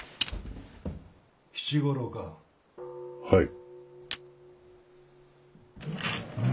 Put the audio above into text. はい。